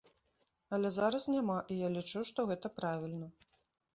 Але зараз няма, і я лічу, што гэта правільна.